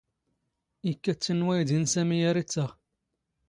ⵉⴽⴽⴰ ⵜⵜ ⵉⵏⵏ ⵡⴰⵢⴷⵉ ⵏ ⵙⴰⵎⵉ ⴰⵔ ⵉⵜⵜⴰⵖ.